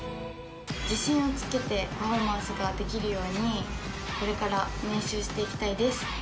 自信をつけてパフォーマンスができるように、これから練習していきたいです。